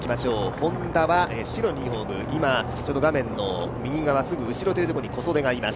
Ｈｏｎｄａは白のユニフォーム、今、画面の右側、すぐ後ろに小袖がいます。